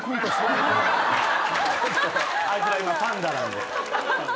あいつら今パンダなんで。